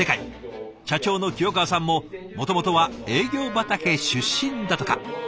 社長の清川さんももともとは営業畑出身だとか。